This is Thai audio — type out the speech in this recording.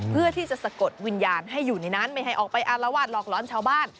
เพื่อที่จะสะกดวิญญาณให้อยู่ในนั้นไม่ให้ออกไปอารวาสหลอกร้อนชาวบ้าน